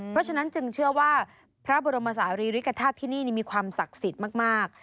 เพราะฉะนั้นจึงเชื่อว่าพระบรมศาลีริกฐาตุที่นี่มีความศักดิ์สิทธิ์มาก